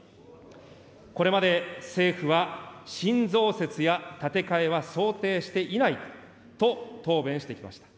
これまで政府は、新増設や建て替えは想定していないと答弁してきました。